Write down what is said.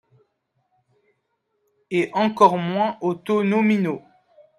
Et encore moins aux taux nominaux.